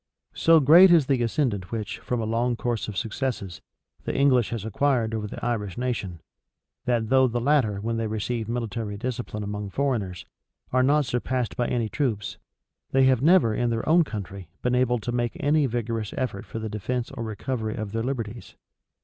So great is the ascendant which, from a long course of successes, the English has acquired over the Irish nation, that though the latter, when they receive military discipline among foreigners, are not surpassed by any troops, they have never, in their own country, been able to make any vigorous effort for the defence or recovery of their liberties.